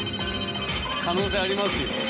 可能性ありますよ。